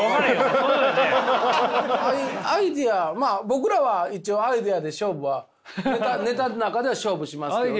僕らは一応アイデアで勝負はネタの中で勝負しますけどね。